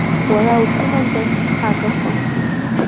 Уара усымамзар схагахон.